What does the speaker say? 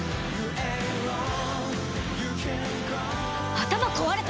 頭壊れた？